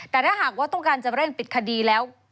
แต่ถ้าหากว่าต้องการจะเร่งปิดคดีแล้ว